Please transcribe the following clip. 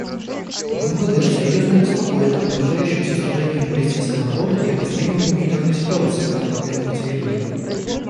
Бангладеш серьезно обеспокоена продолжающимися страданиями палестинского народа и обострением гуманитарной ситуации на оккупированных территориях.